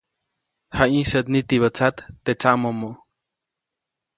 Jayĩsäʼt nitibä tsat teʼ tsaʼmomo.